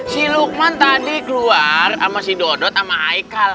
si lukman tadi keluar sama si dodot sama aikal